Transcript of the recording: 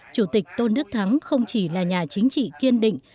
chủ tịch tôn đức thắng không chỉ là nhà chính trị kiên định